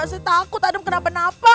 pasti takut adam kenapa napa